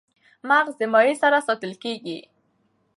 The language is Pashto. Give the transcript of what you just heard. مغز د مایع سره ساتل کېږي.